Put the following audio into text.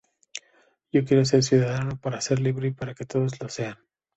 Yo quiero ser ciudadano, para ser libre y para que todos lo sean.